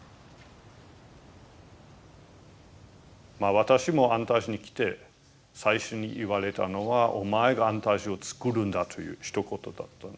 私も安泰寺に来て最初に言われたのは「お前が安泰寺を作るんだ」というひと言だったんですね。